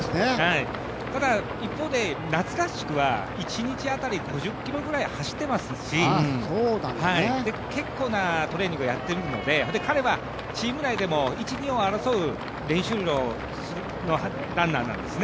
ただ、一方で、夏合宿は一日当たり５０ｋｍぐらい走ってますし、結構なトレーニングやってるので彼はチーム内でも１、２を争う練習量のランナーなんですね。